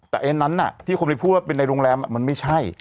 แต่อันนั้นที่คนไปพูดว่าเป็นในโรงแรมมันไม่ใช่